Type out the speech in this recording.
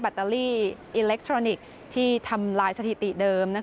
ตเตอรี่อิเล็กทรอนิกส์ที่ทำลายสถิติเดิม